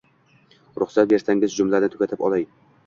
Ruhsat bersangiz jumlamni tugatib olay.